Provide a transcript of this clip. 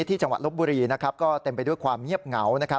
จังหวัดลบบุรีนะครับก็เต็มไปด้วยความเงียบเหงานะครับ